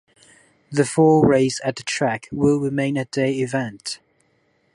The fall race at the track will remain a day event.